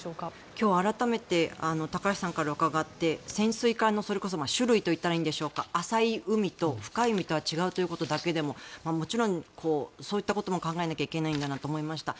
今日改めて高橋さんから伺って潜水艦のそれこそ種類と言ったらいいんでしょうか浅い海と深い海とは違うということだけでももちろんそういったことも考えなきゃいけないんだなと思いました。